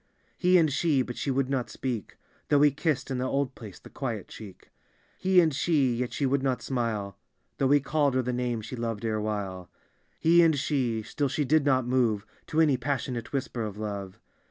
He and she ; but she would not speak. Though be kissed, in the old place, the quiet cheek. He and she ; yet she would not smile. Though he called her the name she loved erewhile. He and she; still she did not move To any passionate whisper of love.